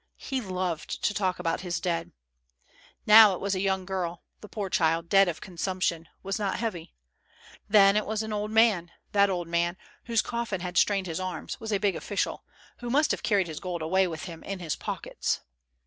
He loved to talk about his dead. Now, it was a young girl, — the poor child, dead of consumption, was not heavy ; then, it was an old man — that old man, whose coffin had strained his arms, was a big official, who must have carried his gold away with him in his pockets.